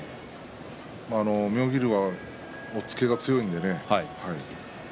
妙義龍は押っつけが強いのでね。